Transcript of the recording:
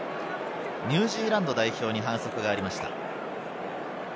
ニュージーランド代表に反則がありました。